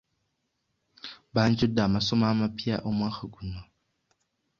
Banjudde amasomo amapya omwaka guno.